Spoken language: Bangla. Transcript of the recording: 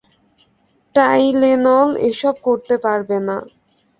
টাইলেনল এসব করতে পারবে না।